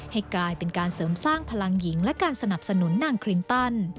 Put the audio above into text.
ให้กลายเป็นการเสริมสร้างพลังหญิงและการสนับสนุนนางคลินตัน